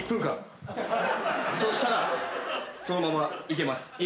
そしたらそのままいけます。